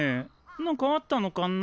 何かあったのかな？